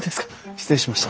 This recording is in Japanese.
失礼しました。